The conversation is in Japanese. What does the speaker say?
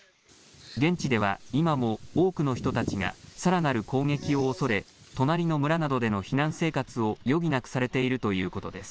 現地では今も多くの人たちがさらなる攻撃を恐れ隣の村などでの避難生活を余儀なくされているということです。